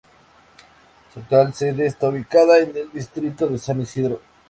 Su actual sede está ubicada en el distrito de San Isidro.